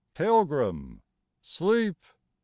Pilgrim, sleep !